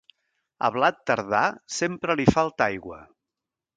Al blat tardà sempre li falta aigua.